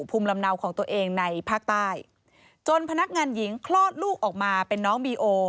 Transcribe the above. ภูมิลำเนาของตัวเองในภาคใต้จนพนักงานหญิงคลอดลูกออกมาเป็นน้องบีโอ